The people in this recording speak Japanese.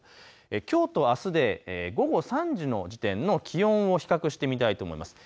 きょうとあすで午後３時の時点の気温を比較してみたいと思います。